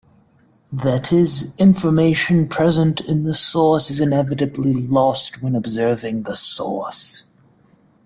That is, information present in the source is inevitably lost when observing the source.